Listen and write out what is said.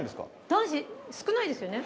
男子少ないですよね？